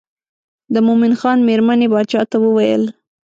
د مومن خان مېرمنې باچا ته وویل.